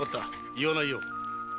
言わないよ。